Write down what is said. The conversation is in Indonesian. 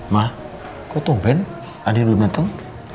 ma kok tuh ben andin belum dateng